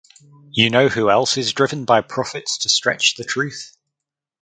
You know who else is driven by profits to stretch the truth?